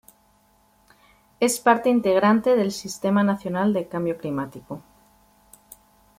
Es parte integrante del Sistema Nacional de Cambio Climático.